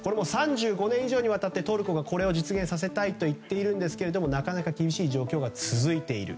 ３５年以上にわたってトルコがこれを実現したいと言っているのですがなかなか厳しい状況が続いている。